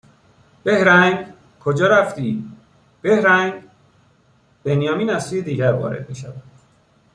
بِهرنگ؟ کجا رفتی؟ بِهرنگ؟ بنیامین از سوی دیگر وارد میشود